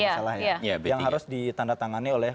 masalah ya yang harus ditandatangani oleh